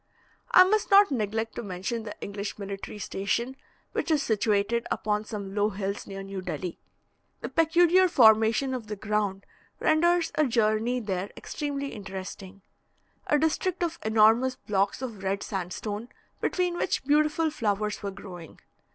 I must not neglect to mention the English military station, which is situated upon some low hills near New Delhi. The peculiar formation of the ground renders a journey there extremely interesting: a district of enormous blocks of red sandstone, between which beautiful flowers were growing.